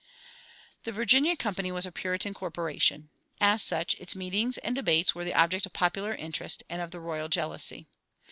The Virginia Company was a Puritan corporation.[44:1] As such, its meetings and debates were the object of popular interest and of the royal jealousy.